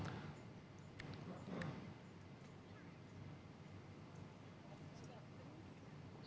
kebakaran di pondok pesantren di kecamatan kramat watu kabupaten serang banten saudara